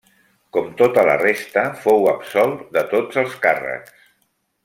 Com tota la resta, fou absolt de tots els càrrecs.